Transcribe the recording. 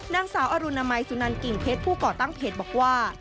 นางสาวอรุณมัยสุนันกิ่งเพชรผู้ก่อตั้งเพจบอกว่า